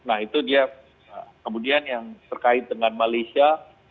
nah itu dia kemudian yang terkait dengan malaysia